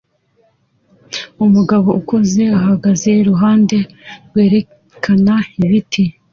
Umugabo ukuze ahagaze iruhande rwerekana ibiti